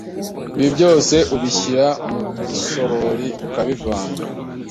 Ibi byose ubishyira mu gisorori ukabivanga,